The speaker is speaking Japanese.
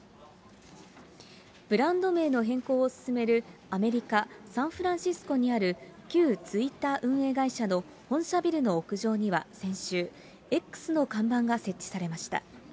ブランド名の変更を進める、アメリカ・サンフランシスコにある旧ツイッター運営会社の本社ビルの屋上には先週、Ｘの看板が設置されました。